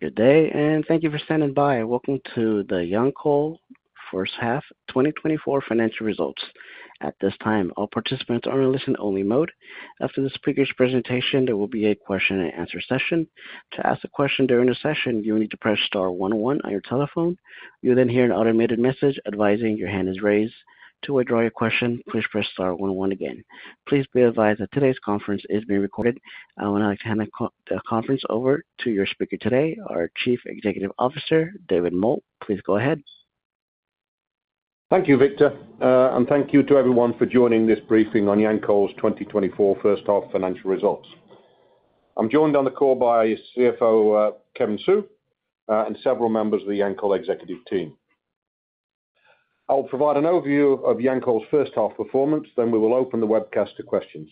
Good day, and thank you for standing by, and welcome to the Yancoal First Half, 2024 Financial Results. At this time, all participants are in listen-only mode. After the speaker's presentation, there will be a question and answer session. To ask a question during the session, you will need to press star one one on your telephone. You'll then hear an automated message advising your hand is raised. To withdraw your question, please press star one one again. Please be advised that today's conference is being recorded. I would like to hand the conference over to your speaker today, our Chief Executive Officer, David Moult. Please go ahead. Thank you, Victor. And thank you to everyone for joining this briefing on Yancoal's 2024 First Half Financial Results. I'm joined on the call by CFO, Kevin Su, and several members of the Yancoal executive team. I'll provide an overview of Yancoal's first half performance, then we will open the webcast to questions.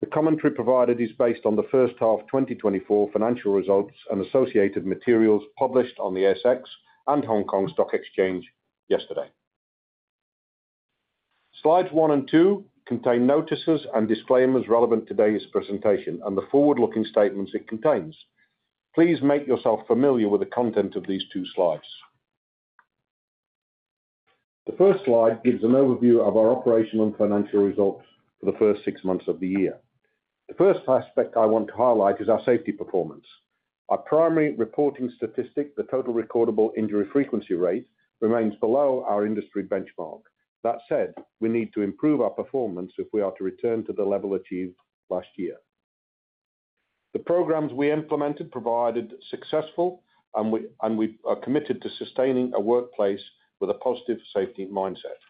The commentary provided is based on the first half 2024 financial results and associated materials published on the ASX and Hong Kong Stock Exchange yesterday. Slide one and two contain notices and disclaimers relevant to today's presentation and the forward-looking statements it contains. Please make yourself familiar with the content of these two slides. The first slide gives an overview of our operational and financial results for the first six months of the year. The first aspect I want to highlight is our safety performance. Our primary reporting statistic, the Total Recordable Injury Frequency Rate, remains below our industry benchmark. That said, we need to improve our performance if we are to return to the level achieved last year. The programs we implemented proved successful, and we are committed to sustaining a workplace with a positive safety mindset.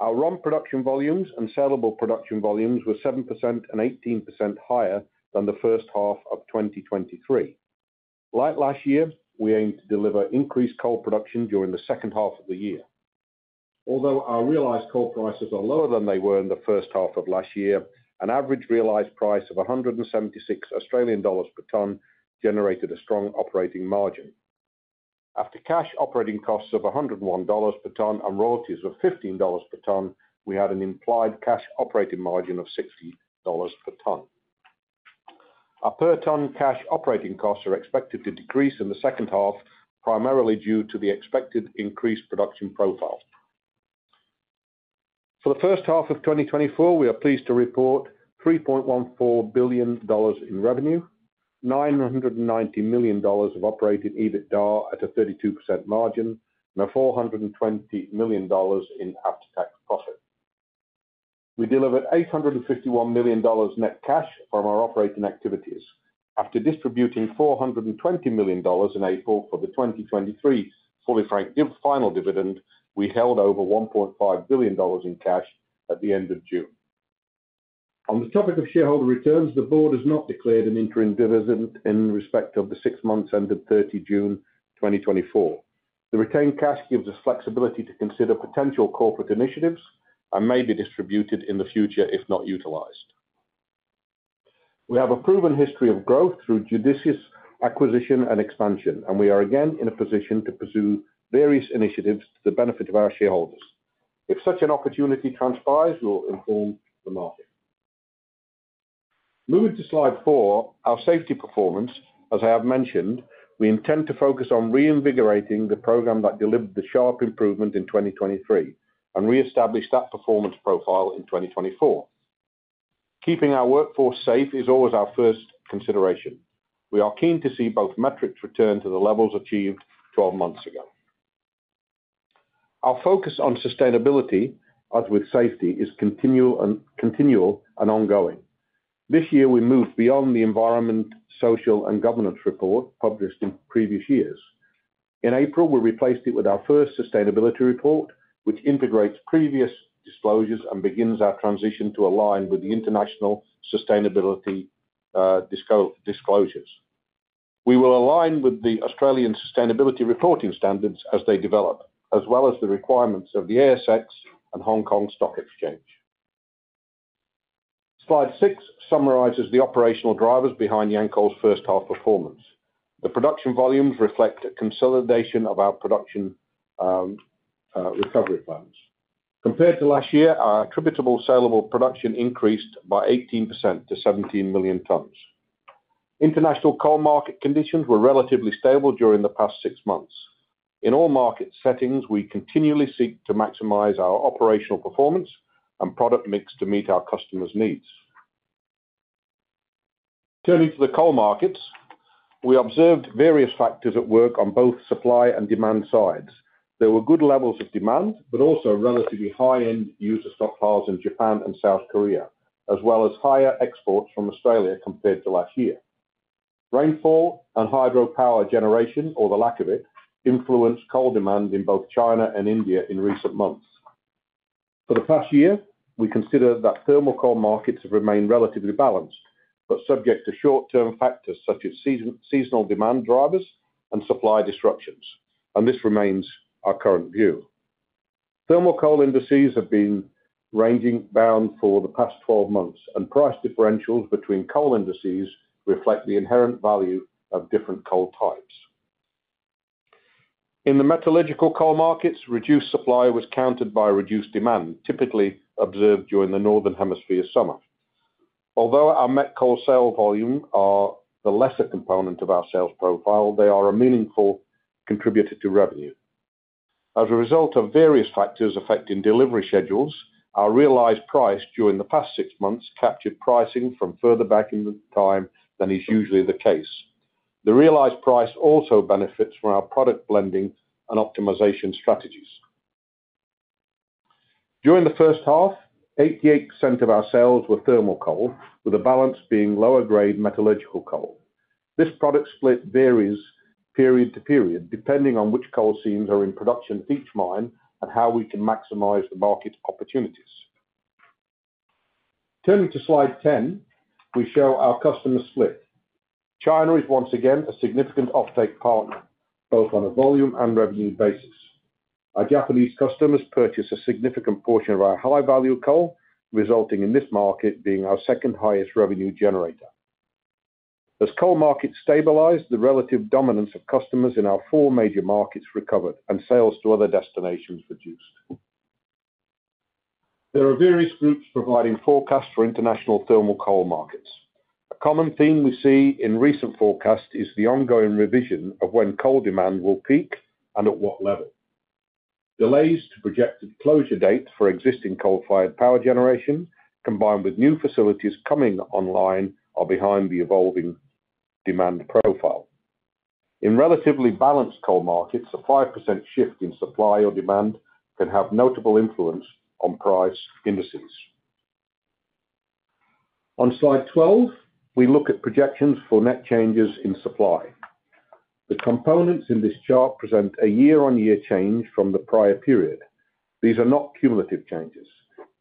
Our ROM production volumes and saleable production volumes were 7% and 18% higher than the first half of 2023. Like last year, we aim to deliver increased coal production during the second half of the year. Although our realized coal prices are lower than they were in the first half of last year, an average realized price of 176 Australian dollars per ton generated a strong operating margin. After cash operating costs of $101 per ton and royalties of $15 per ton, we had an implied cash operating margin of $60 per ton. Our per ton cash operating costs are expected to decrease in the second half, primarily due to the expected increased production profile. For the first half of 2024, we are pleased to report $3.14 billion in revenue, $990 million of operating EBITDA at a 32% margin, and $420 million in after-tax profit. We delivered $851 million net cash from our operating activities. After distributing $420 million in April for the 2023 fully franked final dividend, we held over $1.5 billion in cash at the end of June. On the topic of shareholder returns, the board has not declared an interim dividend in respect of the six months ended 30 June 2024. The retained cash gives us flexibility to consider potential corporate initiatives and may be distributed in the future if not utilized. We have a proven history of growth through judicious acquisition and expansion, and we are again in a position to pursue various initiatives to the benefit of our shareholders. If such an opportunity transpires, we'll inform the market. Moving to slide four, our safety performance, as I have mentioned, we intend to focus on reinvigorating the program that delivered the sharp improvement in 2023 and reestablish that performance profile in 2024. Keeping our workforce safe is always our first consideration. We are keen to see both metrics return to the levels achieved 12 months ago. Our focus on sustainability, as with safety, is continual and ongoing. This year, we moved beyond the Environmental, Social and Governance report published in previous years. In April, we replaced it with our first sustainability report, which integrates previous disclosures and begins our transition to align with the international sustainability disclosures. We will align with the Australian Sustainability Reporting Standards as they develop, as well as the requirements of the ASX and Hong Kong Stock Exchange. Slide six summarizes the operational drivers behind Yancoal's first half performance. The production volumes reflect a consolidation of our production recovery plans. Compared to last year, our attributable saleable production increased by 18% to 17 million tons. International coal market conditions were relatively stable during the past six months. In all market settings, we continually seek to maximize our operational performance and product mix to meet our customers' needs. Turning to the coal markets, we observed various factors at work on both supply and demand sides. There were good levels of demand, but also relatively high-end user stockpiles in Japan and South Korea, as well as higher exports from Australia compared to last year. Rainfall and hydropower generation, or the lack of it, influenced coal demand in both China and India in recent months. For the past year, we consider that thermal coal markets have remained relatively balanced, but subject to short-term factors such as season, seasonal demand drivers and supply disruptions, and this remains our current view. Thermal coal indices have been range bound for the past 12 months, and price differentials between coal indices reflect the inherent value of different coal types. In the metallurgical coal markets, reduced supply was countered by reduced demand, typically observed during the Northern Hemisphere summer. Although our met coal sale volume are the lesser component of our sales profile, they are a meaningful contributor to revenue. As a result of various factors affecting delivery schedules, our realized price during the past six months captured pricing from further back in time than is usually the case. The realized price also benefits from our product blending and optimization strategies. During the first half, 88% of our sales were thermal coal, with the balance being lower grade metallurgical coal. This product split varies period to period, depending on which coal seams are in production at each mine, and how we can maximize the market opportunities. Turning to slide 10, we show our customer split. China is once again a significant offtake partner, both on a volume and revenue basis. Our Japanese customers purchase a significant portion of our high-value coal, resulting in this market being our second highest revenue generator. As coal markets stabilize, the relative dominance of customers in our four major markets recovered, and sales to other destinations reduced. There are various groups providing forecasts for international thermal coal markets. A common theme we see in recent forecasts is the ongoing revision of when coal demand will peak and at what level. Delays to projected closure dates for existing coal-fired power generation, combined with new facilities coming online, are behind the evolving demand profile. In relatively balanced coal markets, a 5% shift in supply or demand can have notable influence on price indices. On slide 12, we look at projections for net changes in supply. The components in this chart present a year-on-year change from the prior period. These are not cumulative changes.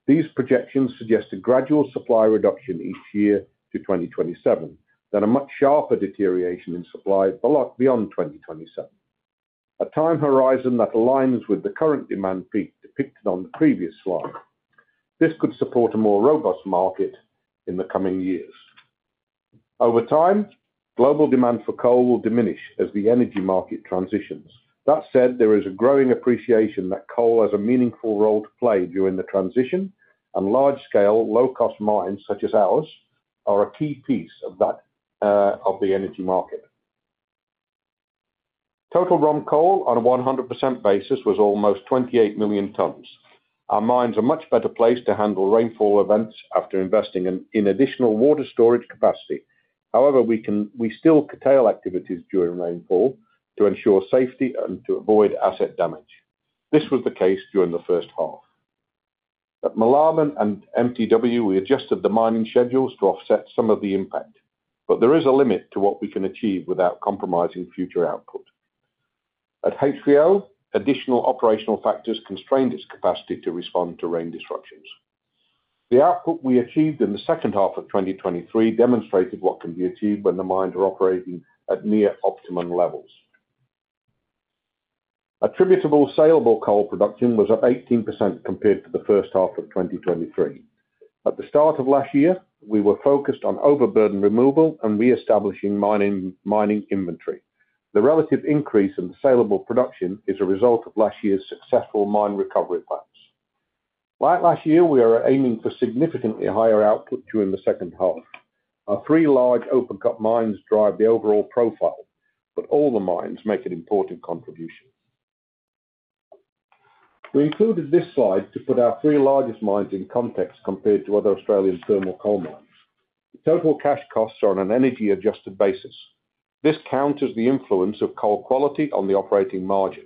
These projections suggest a gradual supply reduction each year to 2027, then a much sharper deterioration in supply beyond 2027, a time horizon that aligns with the current demand peak depicted on the previous slide. This could support a more robust market in the coming years. Over time, global demand for coal will diminish as the energy market transitions. That said, there is a growing appreciation that coal has a meaningful role to play during the transition, and large-scale, low-cost mines, such as ours, are a key piece of that, of the energy market. Total ROM coal on a 100% basis was almost 28 million tons. Our mines are much better placed to handle rainfall events after investing in additional water storage capacity. However, we still curtail activities during rainfall to ensure safety and to avoid asset damage. This was the case during the first half. At Moolarben and MTW, we adjusted the mining schedules to offset some of the impact, but there is a limit to what we can achieve without compromising future output. At HVO, additional operational factors constrained its capacity to respond to rain disruptions. The output we achieved in the second half of 2023 demonstrated what can be achieved when the mines are operating at near optimum levels. Attributable saleable coal production was up 18% compared to the first half of 2023. At the start of last year, we were focused on overburden removal and reestablishing mining inventory. The relative increase in saleable production is a result of last year's successful mine recovery plans. Like last year, we are aiming for significantly higher output during the second half. Our three large open-cut mines drive the overall profile, but all the mines make an important contribution. We included this slide to put our three largest mines in context compared to other Australian thermal coal mines. Total cash costs are on an energy-adjusted basis. This counters the influence of coal quality on the operating margin.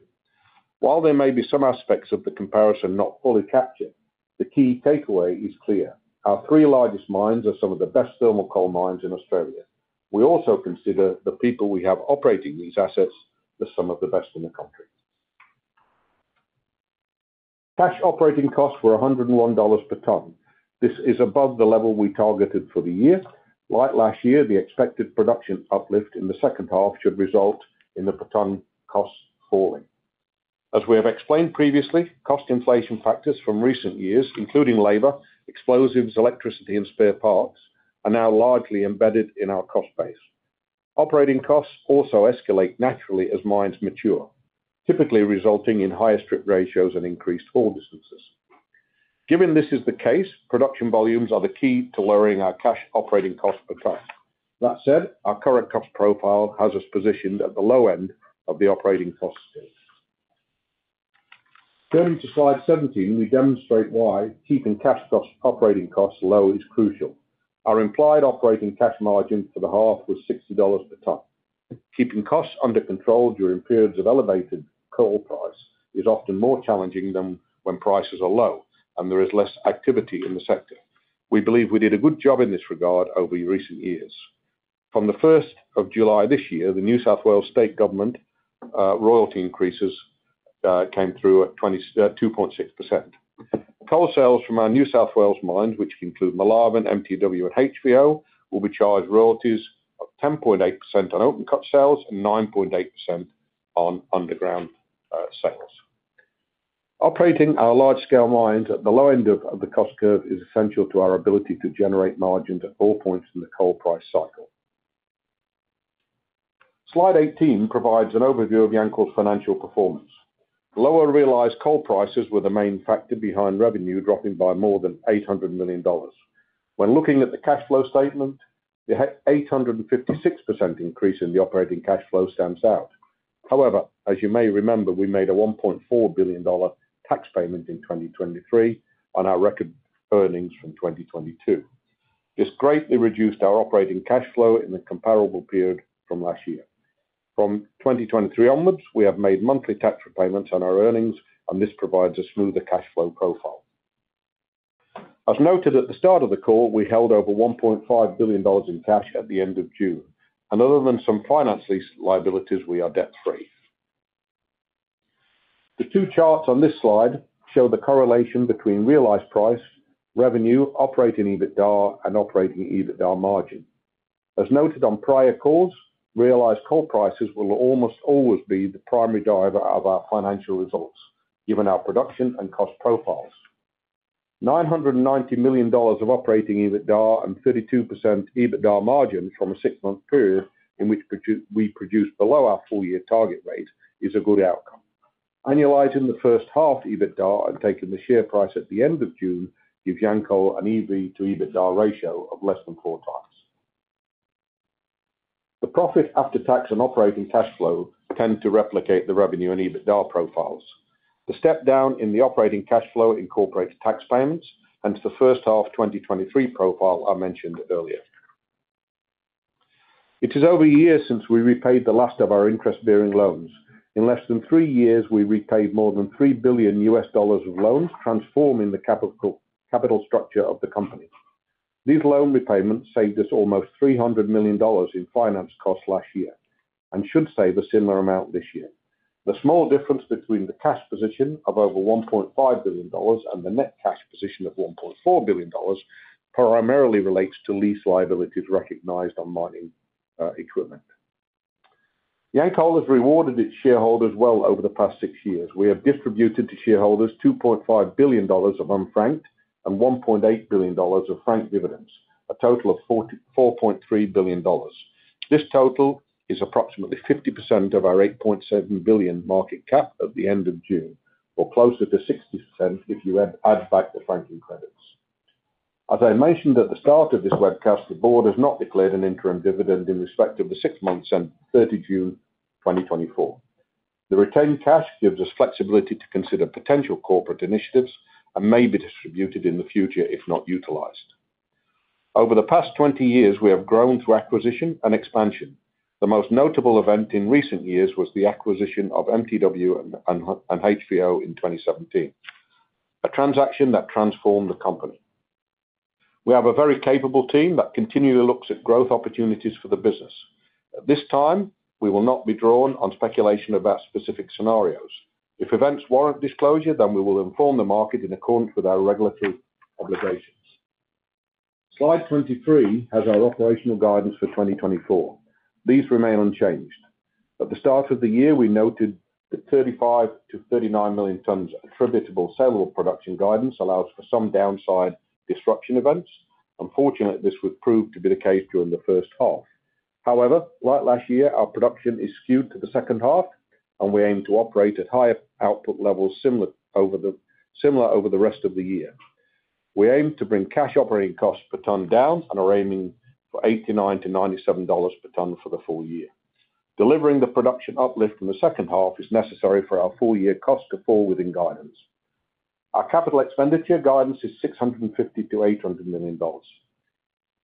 While there may be some aspects of the comparison not fully captured, the key takeaway is clear: Our three largest mines are some of the best thermal coal mines in Australia. We also consider the people we have operating these assets as some of the best in the country. Cash operating costs were $101 per tonne. This is above the level we targeted for the year. Like last year, the expected production uplift in the second half should result in the per tonne costs falling. As we have explained previously, cost inflation factors from recent years, including labor, explosives, electricity, and spare parts, are now largely embedded in our cost base. Operating costs also escalate naturally as mines mature, typically resulting in higher strip ratios and increased haul distances. Given this is the case, production volumes are the key to lowering our cash operating cost per tonne. That said, our current cost profile has us positioned at the low end of the operating cost scale. Turning to slide 17, we demonstrate why keeping cash costs, operating costs low is crucial. Our implied operating cash margin for the half was $60 per tonne. Keeping costs under control during periods of elevated coal price is often more challenging than when prices are low and there is less activity in the sector. We believe we did a good job in this regard over recent years. From the first of July this year, the New South Wales state government royalty increases came through at 2.6%. Coal sales from our New South Wales mines, which include Moolarben, MTW, and HVO, will be charged royalties of 10.8% on open-cut sales and 9.8% on underground sales. Operating our large scale mines at the low end of the cost curve is essential to our ability to generate margins at all points in the coal price cycle. Slide 18 provides an overview of Yancoal's financial performance. Lower realized coal prices were the main factor behind revenue dropping by more than $800 million. When looking at the cash flow statement, the 856% increase in the operating cash flow stands out. However, as you may remember, we made a $1.4 billion tax payment in 2023 on our record earnings from 2022. This greatly reduced our operating cash flow in the comparable period from last year. From 2023 onwards, we have made monthly tax repayments on our earnings, and this provides a smoother cash flow profile. As noted at the start of the call, we held over $1.5 billion in cash at the end of June, and other than some finance lease liabilities, we are debt free. The two charts on this slide show the correlation between realized price, revenue, operating EBITDA and operating EBITDA margin. As noted on prior calls, realized coal prices will almost always be the primary driver of our financial results, given our production and cost profiles. $990 million of operating EBITDA and 32% EBITDA margin from a six-month period in which we produced below our full year target rate is a good outcome. Annualizing the first half EBITDA and taking the share price at the end of June, gives Yancoal an EV to EBITDA ratio of less than four times. The profit after tax and operating cash flow tend to replicate the revenue and EBITDA profiles. The step down in the operating cash flow incorporates tax payments and the first half 2023 profile I mentioned earlier. It is over a year since we repaid the last of our interest-bearing loans. In less than three years, we repaid more than $3 billion of loans, transforming the capital structure of the company. These loan repayments saved us almost $300 million in finance costs last year and should save a similar amount this year. The small difference between the cash position of over $1.5 billion and the net cash position of $1.4 billion primarily relates to lease liabilities recognized on mining equipment. Yancoal has rewarded its shareholders well over the past six years. We have distributed to shareholders $2.5 billion of unfranked and $1.8 billion of franked dividends, a total of $44.3 billion. This total is approximately 50% of our $8.7 billion market cap at the end of June, or closer to 60% if you add back the franking credits. As I mentioned at the start of this webcast, the board has not declared an interim dividend in respect of the six months on 30 June 2024. The retained cash gives us flexibility to consider potential corporate initiatives and may be distributed in the future if not utilized. Over the past 20 years, we have grown through acquisition and expansion. The most notable event in recent years was the acquisition of MTW and HVO in 2017, a transaction that transformed the company. We have a very capable team that continually looks at growth opportunities for the business. At this time, we will not be drawn on speculation about specific scenarios. If events warrant disclosure, then we will inform the market in accordance with our regulatory obligations. Slide 23 has our operational guidance for 2024. These remain unchanged. At the start of the year, we noted that 35-39 million tons attributable saleable production guidance allows for some downside disruption events. Unfortunately, this would prove to be the case during the first half. However, like last year, our production is skewed to the second half, and we aim to operate at higher output levels similar over the rest of the year. We aim to bring cash operating costs per ton down and are aiming for 89-97 per ton for the full year. Delivering the production uplift in the second half is necessary for our full year cost to fall within guidance. Our capital expenditure guidance is $650 million-$800 million.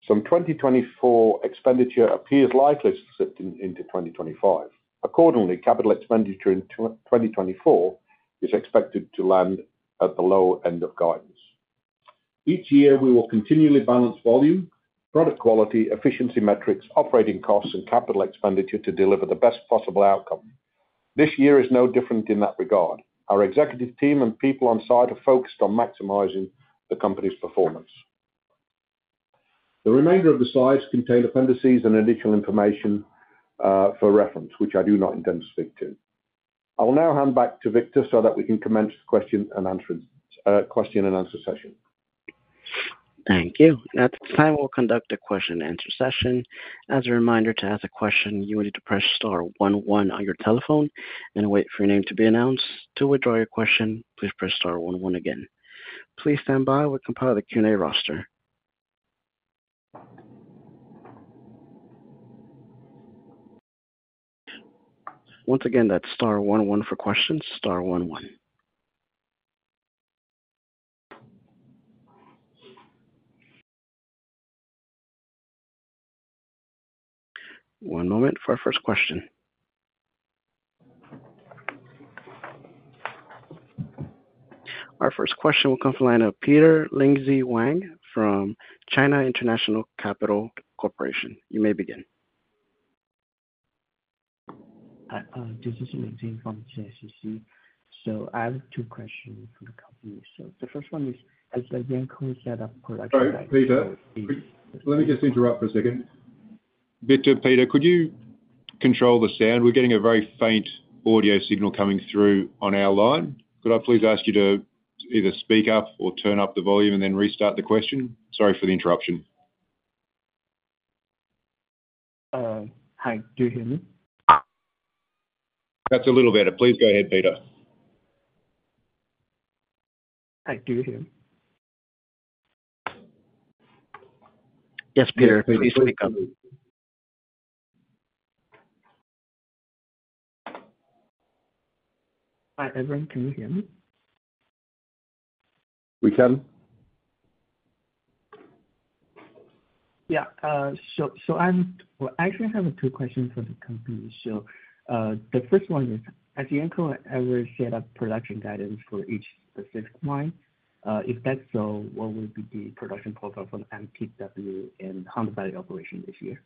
Some 2024 expenditure appears likely to slip into 2025. Accordingly, capital expenditure in 2024 is expected to land at the low end of guidance. Each year, we will continually balance volume, product quality, efficiency metrics, operating costs, and capital expenditure to deliver the best possible outcome. This year is no different in that regard. Our executive team and people on site are focused on maximizing the company's performance. The remainder of the slides contain appendices and additional information for reference, which I do not intend to speak to. I will now hand back to Victor so that we can commence the question and answer session. Thank you. At this time, we'll conduct a question and answer session. As a reminder, to ask a question, you will need to press star one one on your telephone and wait for your name to be announced. To withdraw your question, please press star one one again. Please stand by. We'll compile the Q&A roster. Once again, that's star one one for questions. Star one one. One moment for our first question. Our first question will come from the line of Peter Lindsay Wang from China International Capital Corporation. You may begin. Hi, this is Lindsay from CICC. I have two questions for the company. The first one is, as Yancoal set up production- Sorry, Peter, let me just interrupt for a second.... Victor, Peter, could you control the sound? We're getting a very faint audio signal coming through on our line. Could I please ask you to either speak up or turn up the volume and then restart the question? Sorry for the interruption. Hi, do you hear me? That's a little better. Please go ahead, Peter. Hi, do you hear me? Yes, Peter, please speak up. Hi, everyone. Can you hear me? We can. Yeah, so, well, I actually have two questions for the company. So, the first one is, has the company ever set up production guidance for each specific mine? If that's so, what would be the production profile from MTW and Hunter Valley Operations this year?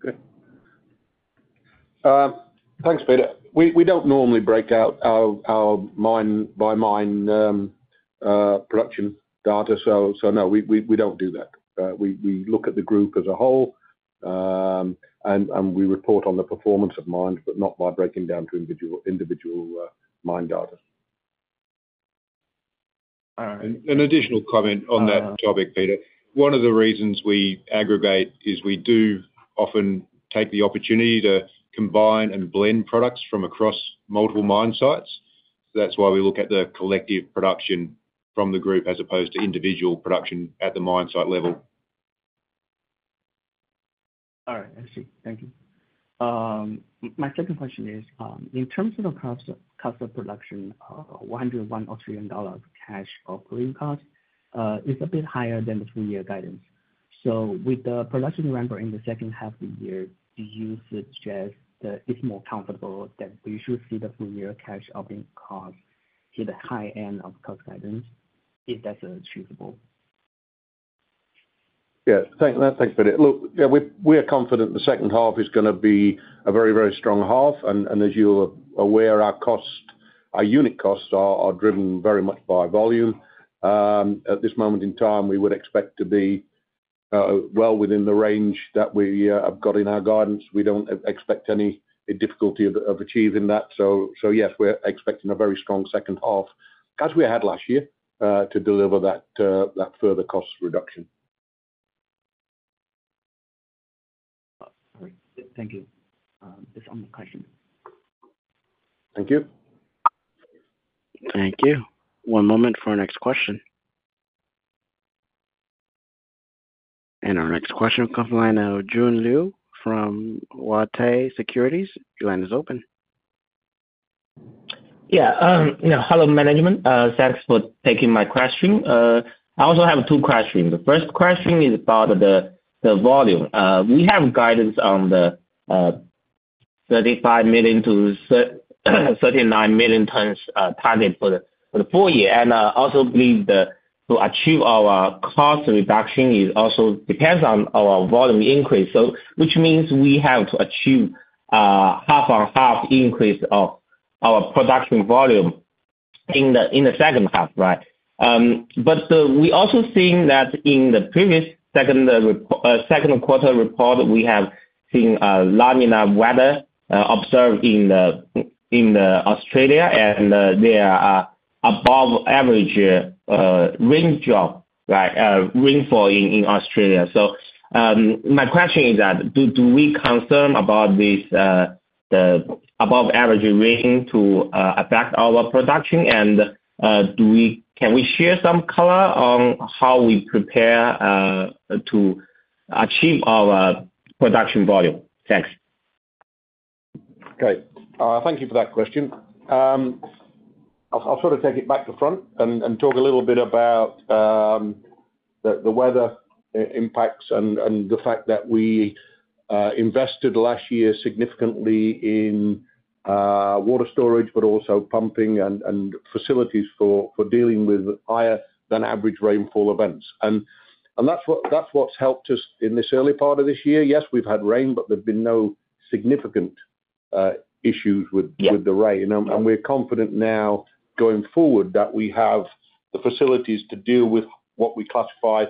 Good. Thanks, Peter. We don't normally break out our mine-by-mine production data, so no, we don't do that. We look at the group as a whole, and we report on the performance of mines, but not by breaking down to individual mine data. All right. An additional comment on that topic, Peter. One of the reasons we aggregate is we do often take the opportunity to combine and blend products from across multiple mine sites. So that's why we look at the collective production from the group as opposed to individual production at the mine site level. All right. I see. Thank you. My second question is, in terms of the cost, cost of production, 101 Australian dollars cash operating costs, is a bit higher than the full year guidance. So with the production ramp in the second half of the year, do you suggest that it's more comfortable that we should see the full year cash operating cost in the high end of cost guidance, if that's achievable? Yeah. Thanks, Peter. Look, yeah, we are confident the second half is gonna be a very, very strong half. And as you're aware, our cost, our unit costs are driven very much by volume. At this moment in time, we would expect to be well within the range that we have got in our guidance. We don't expect any difficulty of achieving that. So, yes, we're expecting a very strong second half, as we had last year, to deliver that further cost reduction. All right. Thank you. That's all my question. Thank you. Thank you. One moment for our next question. Our next question will come from the line of June Liu from Caitong Securities. Your line is open. Yeah, you know, hello, management. Thanks for taking my question. I also have two questions. The first question is about the volume. We have guidance on the 35 million to 39 million tons targeted for the full year. And also believe that to achieve our cost reduction, it also depends on our volume increase. So which means we have to achieve half on half increase of our production volume in the second half, right? But so we're also seeing that in the previous second quarter report, we have seen a La Niña weather observed in Australia, and there are above average rain drop like rainfall in Australia. My question is that, do we concern about this above average rain to affect our production? Can we share some color on how we prepare to achieve our production volume? Thanks. Okay, thank you for that question. I'll sort of take it back to front and talk a little bit about the weather impacts and the fact that we invested last year significantly in water storage, but also pumping and facilities for dealing with higher-than-average rainfall events. That's what's helped us in this early part of this year. Yes, we've had rain, but there've been no significant issues with- Yeah... with the rain. We're confident now, going forward, that we have the facilities to deal with what we classify as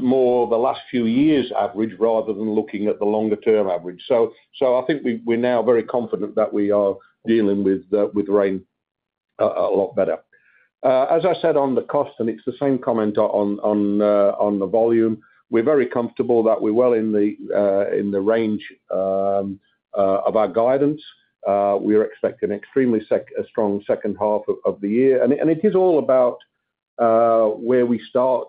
more the last few years' average, rather than looking at the longer-term average. I think we're now very confident that we are dealing with rain a lot better. As I said, on the cost, and it's the same comment on the volume, we're very comfortable that we're well in the range of our guidance. We're expecting extremely strong second half of the year. It is all about where we start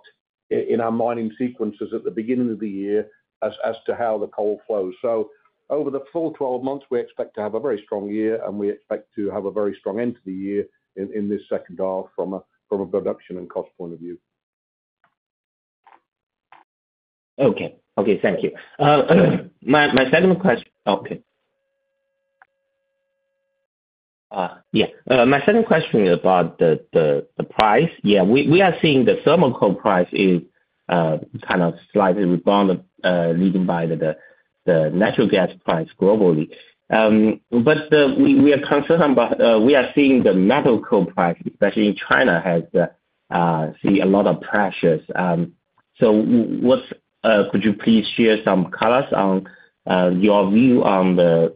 in our mining sequences at the beginning of the year, as to how the coal flows. So over the full 12 months, we expect to have a very strong year, and we expect to have a very strong end to the year in this second half from a production and cost point of view. Okay. Thank you. My second question is about the price. Yeah, we are seeing the thermal coal price is kind of slightly rebound, leading by the natural gas price globally. But we are concerned about we are seeing the metallurgical coal price, especially in China, has seen a lot of pressures. So could you please share some colors on your view on the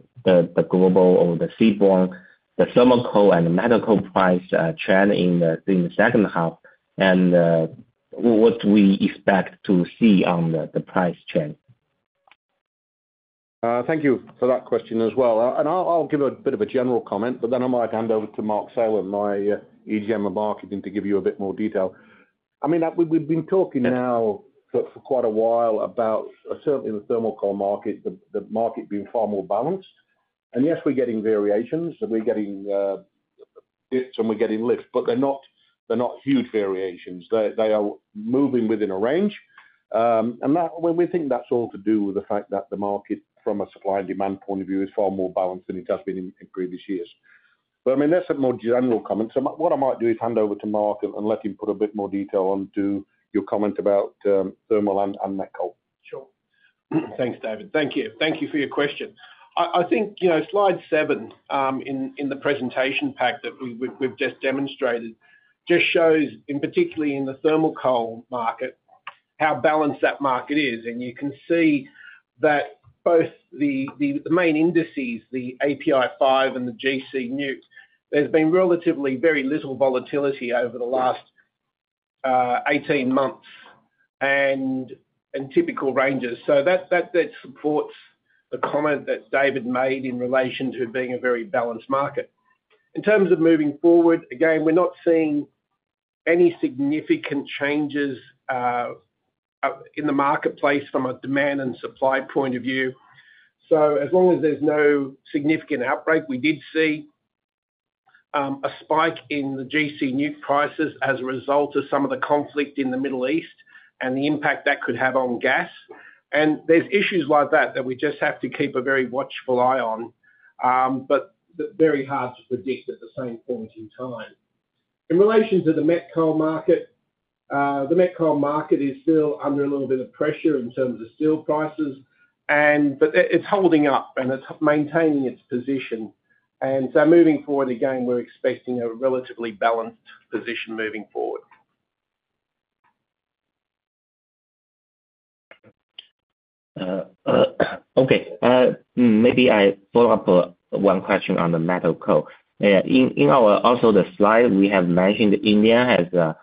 global or the seaborne, the thermal coal and metallurgical coal price trend in the second half, and what we expect to see on the price trend? Thank you for that question as well. And I'll give a bit of a general comment, but then I might hand over to Mark Salem, my EGM Marketing, to give you a bit more detail. I mean, we've been talking now for quite a while about certainly in the thermal coal market, the market being far more balanced. And yes, we're getting variations, and we're getting dips, and we're getting lifts, but they're not huge variations. They are moving within a range. And that... Well, we think that's all to do with the fact that the market, from a supply and demand point of view, is far more balanced than it has been in previous years. But I mean, that's a more general comment. What I might do is hand over to Mark and let him put a bit more detail onto your comment about thermal and met coal. Sure. Thanks, David. Thank you. Thank you for your question. I think, you know, slide seven in the presentation pack that we've just demonstrated just shows, in particular, in the thermal coal market, how balanced that market is. And you can see that both the main indices, the API 5 and the gC NEWC, there's been relatively very little volatility over the last 18 months and typical ranges. So that supports the comment that David made in relation to it being a very balanced market. In terms of moving forward, again, we're not seeing any significant changes in the marketplace from a demand and supply point of view. So as long as there's no significant outbreak, we did see a spike in the gC NEWC prices as a result of some of the conflict in the Middle East and the impact that could have on gas. And there's issues like that that we just have to keep a very watchful eye on, but very hard to predict at the same point in time. In relation to the met coal market, the met coal market is still under a little bit of pressure in terms of the steel prices, and but it's holding up, and it's maintaining its position. And so moving forward, again, we're expecting a relatively balanced position moving forward. Okay. Maybe I follow up one question on the met coal. In our... Also, the slide we have mentioned, India has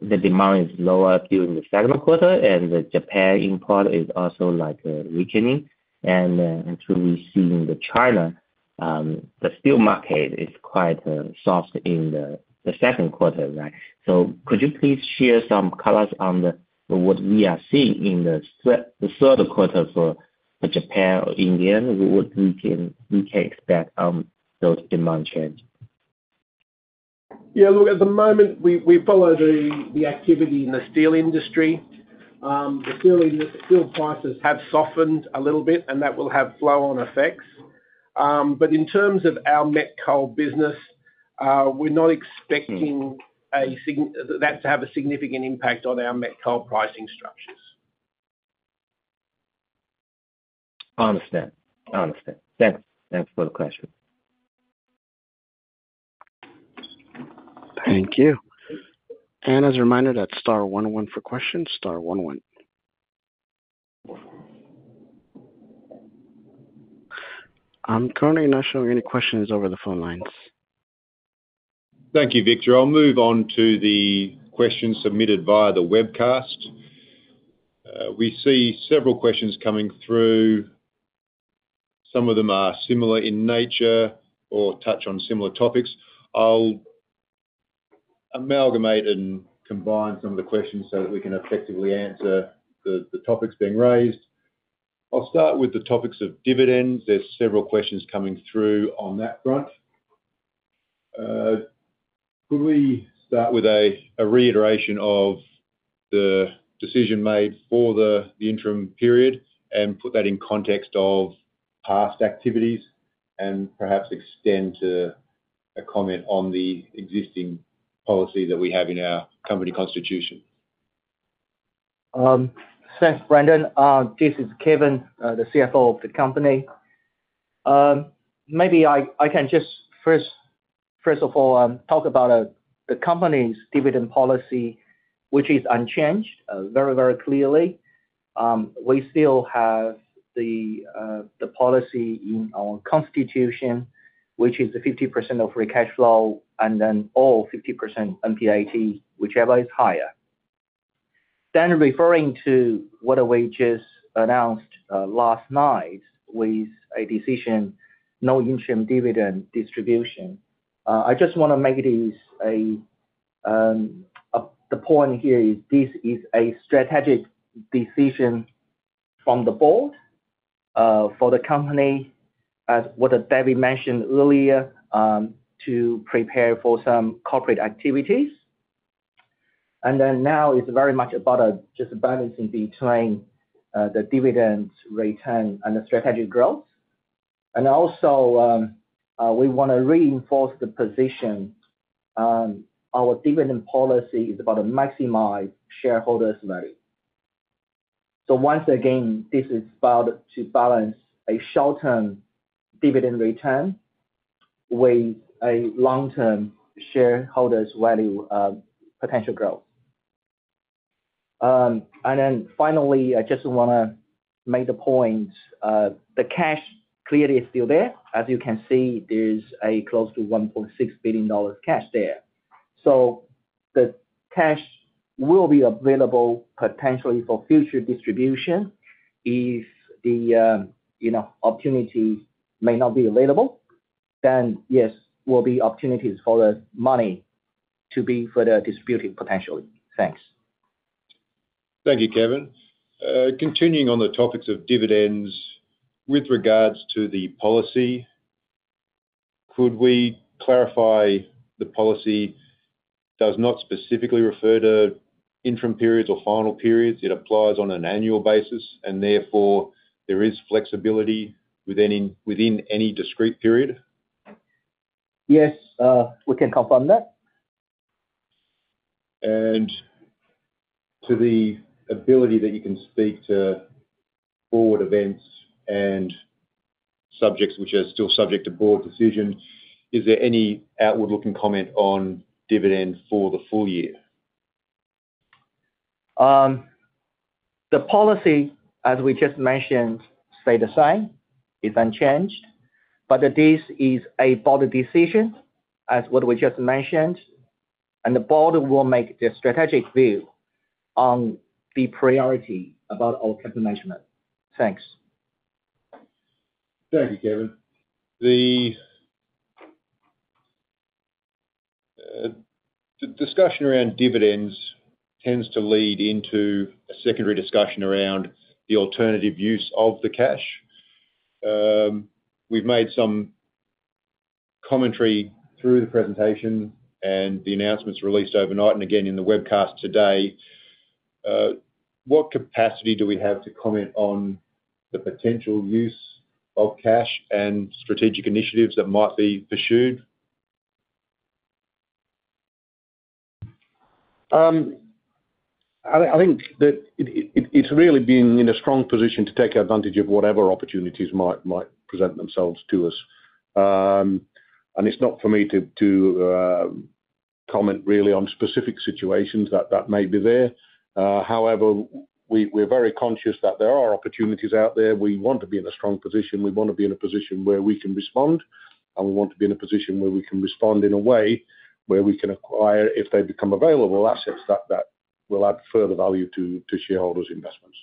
the demand is lower during the second quarter, and the Japan import is also, like, weakening. And to receiving the China, the steel market is quite soft in the second quarter, right? So could you please share some colors on what we are seeing in the third quarter for the Japan or India? What we can expect on those demand change? Yeah, look, at the moment, we follow the activity in the steel industry. The steel prices have softened a little bit, and that will have flow-on effects. But in terms of our met coal business, we're not expecting that to have a significant impact on our met coal pricing structures. Understand. Thanks for the question. Thank you. And as a reminder, that's star one one for questions, star one one. I'm currently not showing any questions over the phone lines. Thank you, Victor. I'll move on to the questions submitted via the webcast. We see several questions coming through. Some of them are similar in nature or touch on similar topics. I'll amalgamate and combine some of the questions so that we can effectively answer the topics being raised. I'll start with the topics of dividends. There's several questions coming through on that front. Could we start with a reiteration of the decision made for the interim period and put that in context of past activities, and perhaps extend to a comment on the existing policy that we have in our company constitution? Thanks, Brendan. This is Kevin, the CFO of the company. Maybe I can just first of all talk about the company's dividend policy, which is unchanged, very, very clearly. We still have the policy in our constitution, which is a 50% of free cash flow, and then all 50% NPAT, whichever is higher. Then referring to what we just announced last night, with a decision, no interim dividend distribution, I just wanna make this a. The point here is, this is a strategic decision from the board for the company, as what David mentioned earlier, to prepare for some corporate activities. And then now it's very much about just balancing between the dividend return and the strategic growth. And also, we wanna reinforce the position on our dividend policy is about to maximize shareholders' value. So once again, this is about to balance a short-term dividend return with a long-term shareholders' value, potential growth. And then finally, I just wanna make the point, the cash clearly is still there. As you can see, there's close to $1.6 billion cash there. So the cash will be available potentially for future distribution. If the, you know, opportunity may not be available, then yes, will be opportunities for the money to be further distributed potentially. Thanks. Thank you, Kevin. Continuing on the topics of dividends, with regards to the policy, could we clarify the policy does not specifically refer to interim periods or final periods, it applies on an annual basis, and therefore, there is flexibility within any discrete period? Yes, we can confirm that. To the ability that you can speak to forward events and subjects which are still subject to board decision, is there any outward-looking comment on dividends for the full year? The policy, as we just mentioned, stay the same, is unchanged, but this is a board decision, as what we just mentioned, and the board will make the strategic view on the priority about our capital management. Thanks. Thank you, Kevin. The discussion around dividends tends to lead into a secondary discussion around the alternative use of the cash. We've made some commentary through the presentation and the announcements released overnight, and again, in the webcast today. What capacity do we have to comment on the potential use of cash and strategic initiatives that might be pursued? I think that it's really being in a strong position to take advantage of whatever opportunities might present themselves to us. It's not for me to comment really on specific situations that may be there. However, we're very conscious that there are opportunities out there. We want to be in a strong position. We want to be in a position where we can respond, and we want to be in a position where we can respond in a way where we can acquire, if they become available, assets that will add further value to shareholders' investments.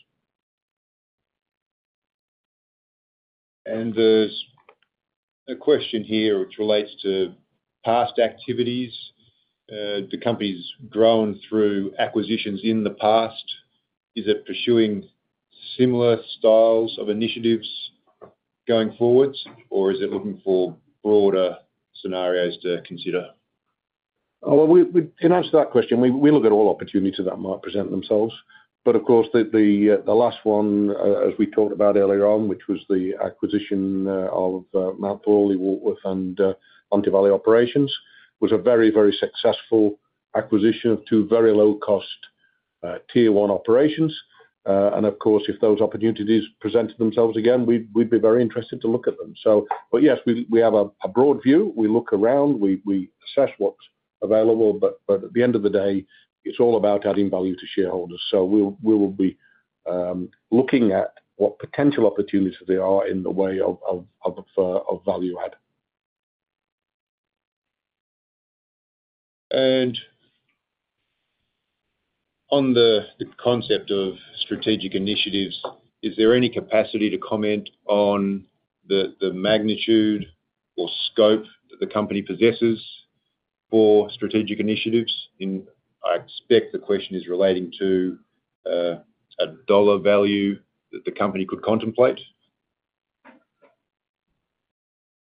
There's a question here which relates to past activities. The company's grown through acquisitions in the past. Is it pursuing similar styles of initiatives going forwards, or is it looking for broader scenarios to consider? In answer to that question, we look at all opportunities that might present themselves, but of course, the last one, as we talked about earlier on, which was the acquisition of Mount Thorley Warkworth and Hunter Valley Operations, was a very, very successful acquisition of two very low-cost tier one operations. And of course, if those opportunities present themselves again, we'd be very interested to look at them. So, but yes, we have a broad view. We look around, we assess what's available, but at the end of the day, it's all about adding value to shareholders. So we'll be looking at what potential opportunities there are in the way of value add. And on the concept of strategic initiatives, is there any capacity to comment on the magnitude or scope that the company possesses for strategic initiatives in... I expect the question is relating to a dollar value that the company could contemplate.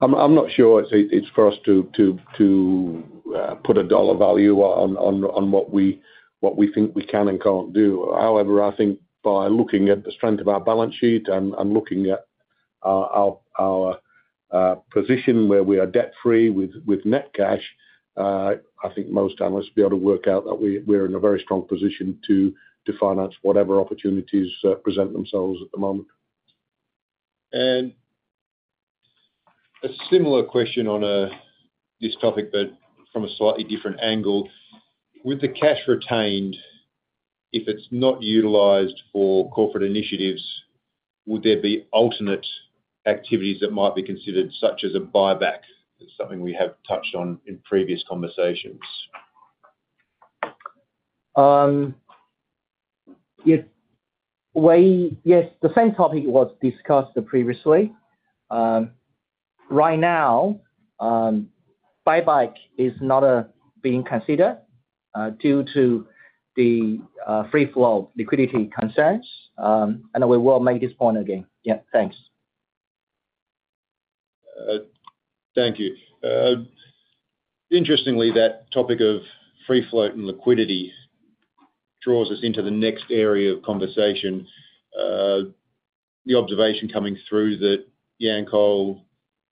I'm not sure it's for us to put a dollar value on what we think we can and can't do. However, I think by looking at the strength of our balance sheet and looking at our position where we are debt-free with net cash, I think most analysts will be able to work out that we're in a very strong position to finance whatever opportunities present themselves at the moment. And a similar question on this topic, but from a slightly different angle: With the cash retained, if it's not utilized for corporate initiatives, would there be alternate activities that might be considered, such as a buyback? That's something we have touched on in previous conversations. Yes, the same topic was discussed previously. Right now, buyback is not being considered due to the free float liquidity concerns, and we will make this point again. Yeah, thanks. Thank you. Interestingly, that topic of free float and liquidity draws us into the next area of conversation. The observation coming through that Yancoal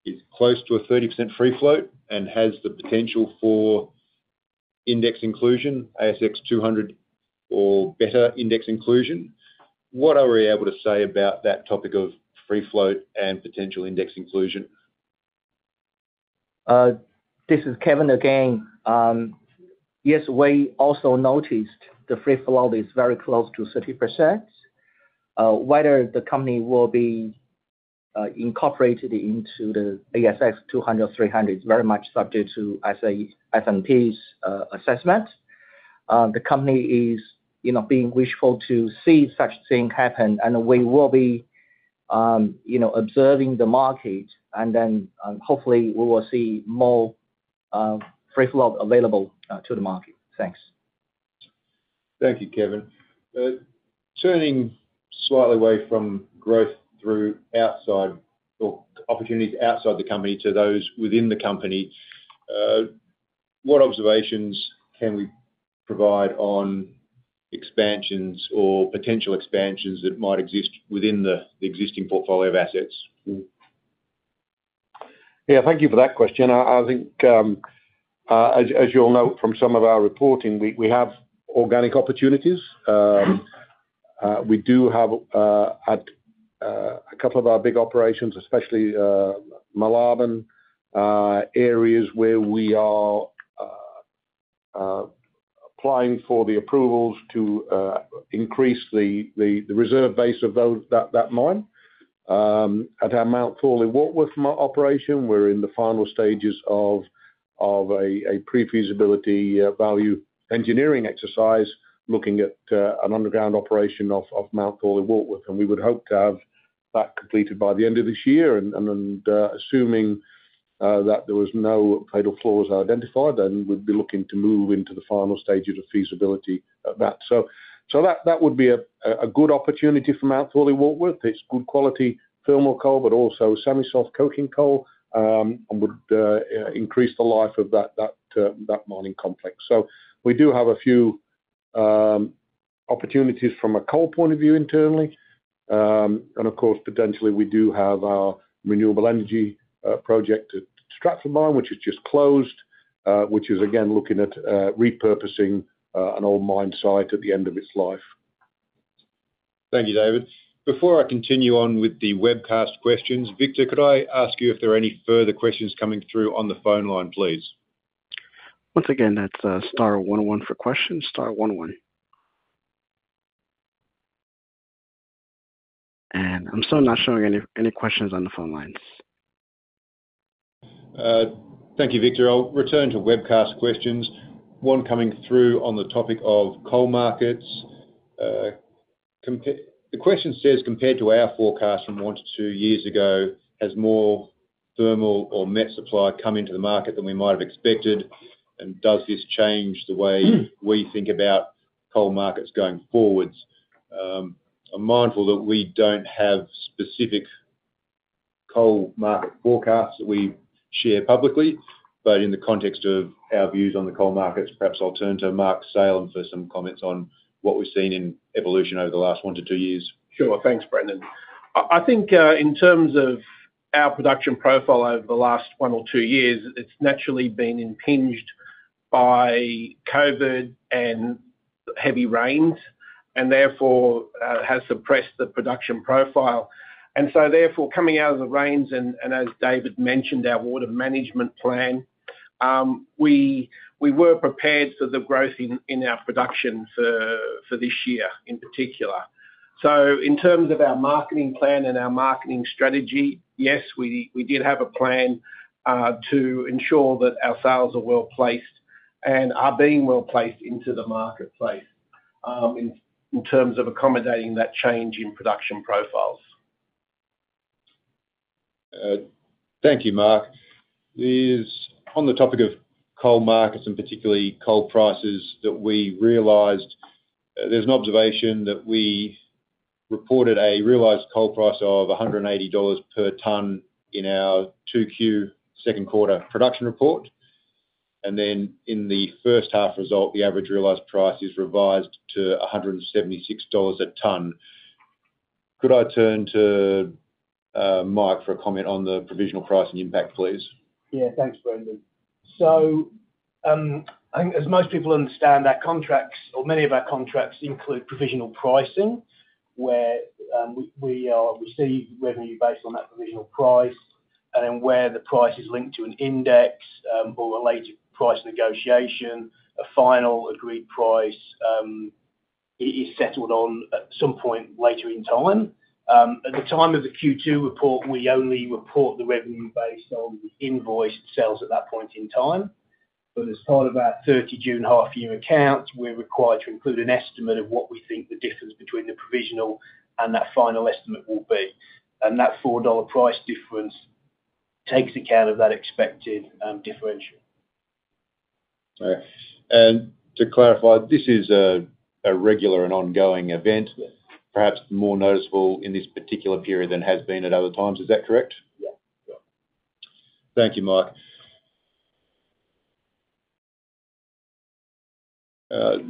is close to a 30% free float and has the potential for index inclusion, ASX 200 or better index inclusion. What are we able to say about that topic of free float and potential index inclusion? This is Kevin again. Yes, we also noticed the free float is very close to 30%. Whether the company will be incorporated into the ASX 200, 300, is very much subject to, I say, S&P's assessment. The company is, you know, being wishful to see such thing happen, and we will be, you know, observing the market, and then hopefully we will see more free float available to the market. Thanks. Thank you, Kevin. Turning slightly away from growth through outside or opportunities outside the company to those within the company. What observations can we provide on expansions or potential expansions that might exist within the existing portfolio of assets? Yeah, thank you for that question. I think, as you all know, from some of our reporting, we have organic opportunities. We do have, at a couple of our big operations, especially Moolarben, areas where we are applying for the approvals to increase the reserve base of those, that mine. At our Mount Thorley Warkworth operation, we're in the final stages of a pre-feasibility value engineering exercise, looking at an underground operation off of Mount Thorley Warkworth, and we would hope to have that completed by the end of this year, and then, assuming that there was no fatal flaws identified, then we'd be looking to move into the final stages of feasibility of that. So that would be a good opportunity for Mount Thorley Warkworth. It's good quality thermal coal, but also semi-soft coking coal, and would increase the life of that mining complex. So we do have a few opportunities from a coal point of view internally, and of course, potentially, we do have our renewable energy project at Stratford Mine, which is just closed, which is again looking at repurposing an old mine site at the end of its life. Thank you, David. Before I continue on with the webcast questions, Victor, could I ask you if there are any further questions coming through on the phone line, please? Once again, that's star one one for questions, star one one, and I'm still not showing any questions on the phone lines. Thank you, Victor. I'll return to webcast questions. One coming through on the topic of coal markets. The question says, "Compared to our forecast from one to two years ago, has more thermal or met supply come into the market than we might have expected? And does this change the way we think about coal markets going forwards?" I'm mindful that we don't have specific coal market forecasts that we share publicly, but in the context of our views on the coal markets, perhaps I'll turn to Mark Salem for some comments on what we've seen in evolution over the last one to two years. Sure. Thanks, Brendan. I think in terms of our production profile over the last one or two years, it's naturally been impinged by COVID and heavy rains, and therefore has suppressed the production profile, and so therefore coming out of the rains, and as David mentioned, our water management plan, we were prepared for the growth in our production for this year in particular, so in terms of our marketing plan and our marketing strategy, yes, we did have a plan to ensure that our sales are well-placed and are being well-placed into the marketplace, in terms of accommodating that change in production profiles. Thank you, Mark. On the topic of coal markets, and particularly coal prices, that we realized, there's an observation that we reported a realized coal price of $180 per ton in our 2Q second quarter production report. And then in the first half result, the average realized price is revised to $176 per ton. Could I turn to Mike for a comment on the provisional pricing impact, please? Yeah, thanks, Brendan, so I think as most people understand, our contracts or many of our contracts include provisional pricing, where we receive revenue based on that provisional price, and then where the price is linked to an index, or a later price negotiation, a final agreed price is settled on at some point later in time. At the time of the Q2 report, we only report the revenue based on the invoiced sales at that point in time, but as part of our thirty June half-year accounts, we're required to include an estimate of what we think the difference between the provisional and that final estimate will be, and that $4 price difference takes account of that expected differential. Okay. And to clarify, this is a regular and ongoing event, perhaps more noticeable in this particular period than it has been at other times. Is that correct? Thank you, Mike.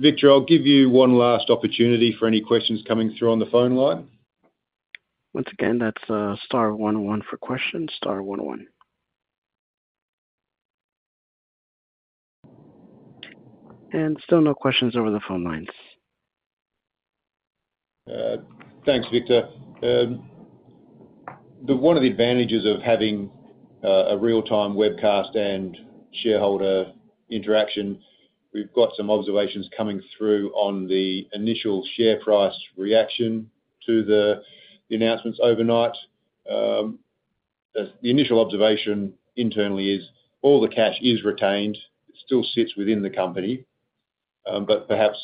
Victor, I'll give you one last opportunity for any questions coming through on the phone line. Once again, that's star one oh one for questions, star one oh one, and still no questions over the phone lines. Thanks, Victor. One of the advantages of having a real-time webcast and shareholder interaction, we've got some observations coming through on the initial share price reaction to the announcements overnight. The initial observation internally is all the cash is retained, it still sits within the company. But perhaps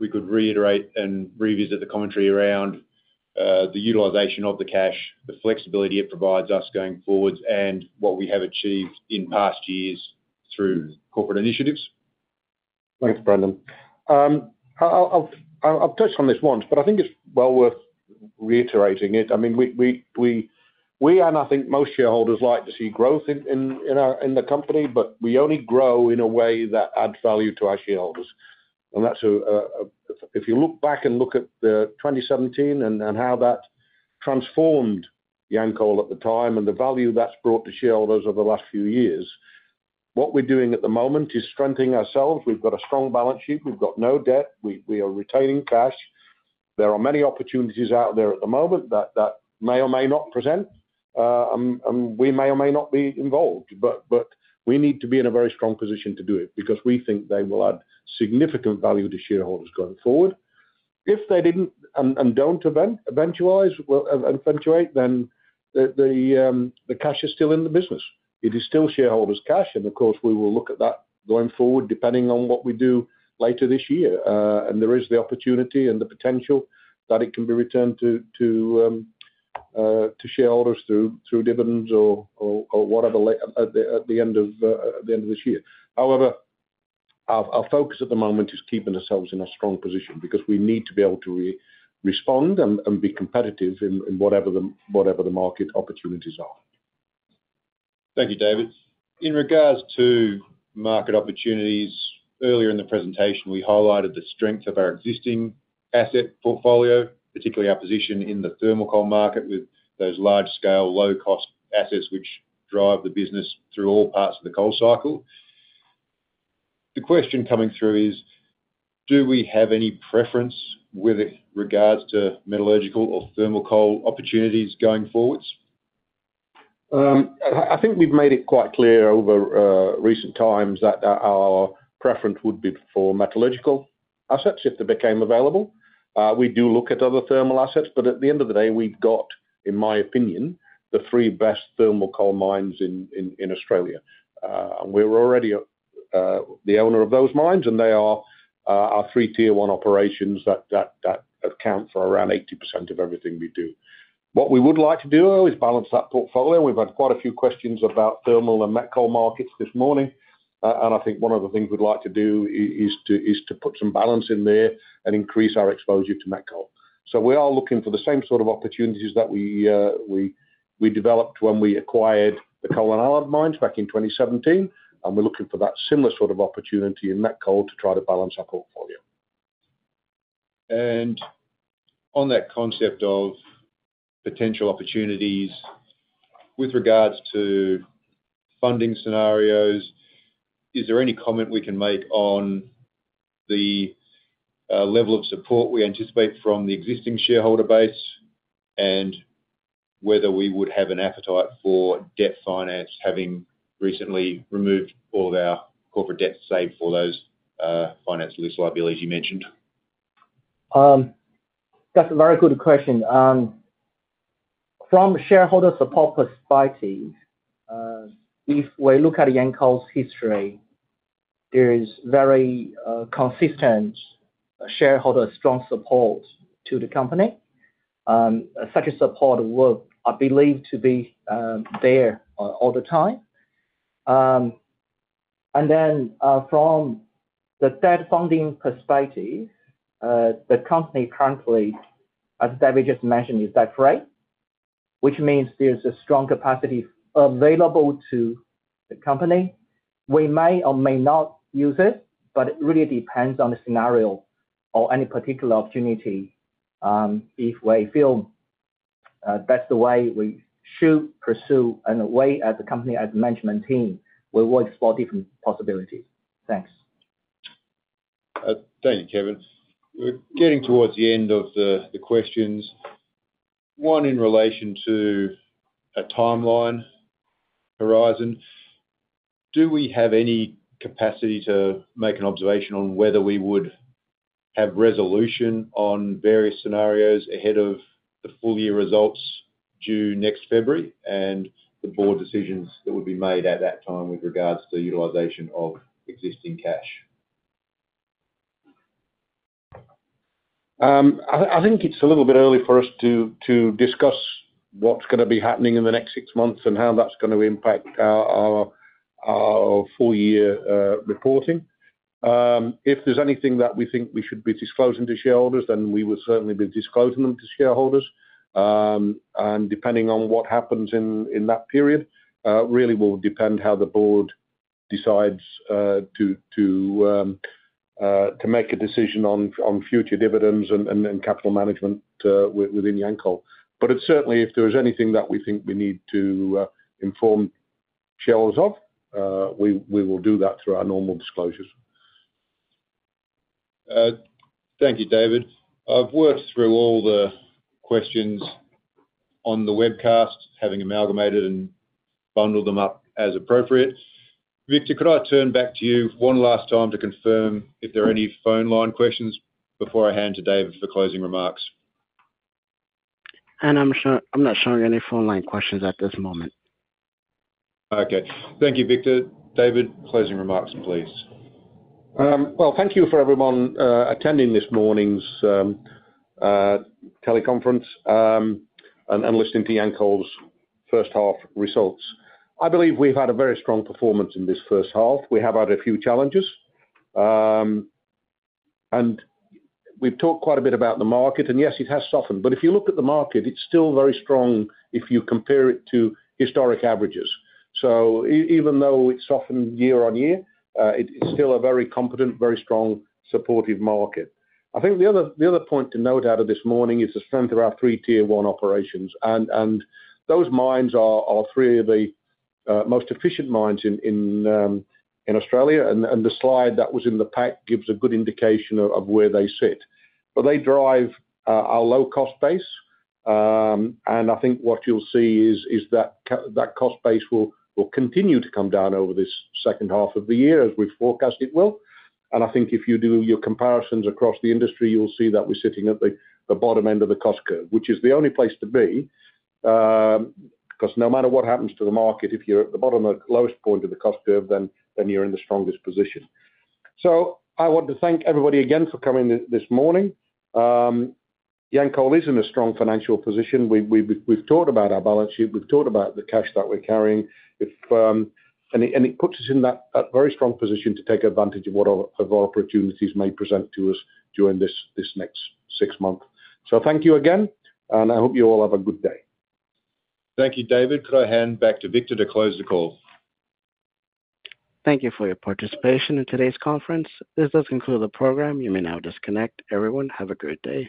we could reiterate and revisit the commentary around the utilization of the cash, the flexibility it provides us going forward, and what we have achieved in past years through corporate initiatives. Thanks, Brendan. I've touched on this once, but I think it's well worth reiterating it. I mean, we and I think most shareholders like to see growth in our company, but we only grow in a way that adds value to our shareholders. And that's if you look back and look at the 2017 and how that transformed Yancoal at the time, and the value that's brought to shareholders over the last few years. What we're doing at the moment is strengthening ourselves. We've got a strong balance sheet. We've got no debt. We are retaining cash. There are many opportunities out there at the moment that may or may not present. And we may or may not be involved, but we need to be in a very strong position to do it, because we think they will add significant value to shareholders going forward. If they didn't and don't even eventuate, then the cash is still in the business. It is still shareholders' cash, and of course, we will look at that going forward, depending on what we do later this year. And there is the opportunity and the potential that it can be returned to shareholders through dividends or whatever at the end of this year. However, our focus at the moment is keeping ourselves in a strong position, because we need to be able to respond and be competitive in whatever the market opportunities are. Thank you, David. In regards to market opportunities, earlier in the presentation, we highlighted the strength of our existing asset portfolio, particularly our position in the thermal coal market with those large-scale, low-cost assets, which drive the business through all parts of the coal cycle. The question coming through is: Do we have any preference with regards to metallurgical or thermal coal opportunities going forwards? I think we've made it quite clear over recent times that our preference would be for metallurgical assets if they became available. We do look at other thermal assets, but at the end of the day, we've got, in my opinion, the three best thermal coal mines in Australia, and we're already the owner of those mines, and they are our three Tier 1 operations that account for around 80% of everything we do. What we would like to do, though, is balance that portfolio. We've had quite a few questions about thermal and met coal markets this morning, and I think one of the things we'd like to do is to put some balance in there and increase our exposure to met coal. So we are looking for the same sort of opportunities that we developed when we acquired the Coal & Allied mines back in 2017, and we're looking for that similar sort of opportunity in met coal to try to balance our portfolio. And on that concept of potential opportunities, with regards to funding scenarios, is there any comment we can make on the level of support we anticipate from the existing shareholder base? And whether we would have an appetite for debt finance, having recently removed all of our corporate debt, save for those finance lease liabilities you mentioned? That's a very good question. From a shareholder support perspective, if we look at Yancoal's history, there is very consistent shareholder strong support to the company. Such support will, I believe, to be there all the time. And then, from the debt funding perspective, the company currently, as David just mentioned, is debt-free, which means there's a strong capacity available to the company. We may or may not use it, but it really depends on the scenario or any particular opportunity. If we feel that's the way we should pursue, and the way as a company, as a management team, we will explore different possibilities. Thanks. Thank you, Kevin. We're getting towards the end of the questions. One in relation to a timeline horizon. Do we have any capacity to make an observation on whether we would have resolution on various scenarios ahead of the full year results due next February, and the board decisions that would be made at that time with regards to utilization of existing cash? I think it's a little bit early for us to discuss what's gonna be happening in the next six months, and how that's gonna impact our full year reporting. If there's anything that we think we should be disclosing to shareholders, then we will certainly be disclosing them to shareholders. Depending on what happens in that period, really will depend how the board decides to make a decision on future dividends and capital management within Yancoal. But certainly, if there is anything that we think we need to inform shareholders of, we will do that through our normal disclosures. Thank you, David. I've worked through all the questions on the webcast, having amalgamated and bundled them up as appropriate. Victor, could I turn back to you one last time to confirm if there are any phone line questions before I hand to David for closing remarks? I'm not showing any phone line questions at this moment. Okay. Thank you, Victor. David, closing remarks, please. Well, thank you for everyone attending this morning's teleconference, and listening to Yancoal's first half results. I believe we've had a very strong performance in this first half. We have had a few challenges. And we've talked quite a bit about the market, and yes, it has softened. But if you look at the market, it's still very strong if you compare it to historic averages. So even though it's softened year on year, it's still a very competent, very strong, supportive market. I think the other point to note out of this morning is the strength of our three Tier 1 operations, and those mines are three of the most efficient mines in Australia. And the slide that was in the pack gives a good indication of where they sit. But they drive our low cost base, and I think what you'll see is that cost base will continue to come down over this second half of the year, as we've forecasted it will. And I think if you do your comparisons across the industry, you'll see that we're sitting at the bottom end of the cost curve. Which is the only place to be, 'cause no matter what happens to the market, if you're at the bottom, the lowest point of the cost curve, then you're in the strongest position. So I want to thank everybody again for coming this morning. Yancoal is in a strong financial position. We've talked about our balance sheet, we've talked about the cash that we're carrying. If... And it puts us in a very strong position to take advantage of what opportunities may present to us during this next six months. So thank you again, and I hope you all have a good day. Thank you, David. Could I hand back to Victor to close the call? Thank you for your participation in today's conference. This does conclude the program. You may now disconnect. Everyone, have a great day.